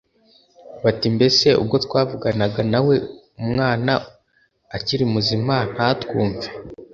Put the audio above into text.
bati “Mbese ubwo twavuganaga na we umwana akiri muzima ntatwumve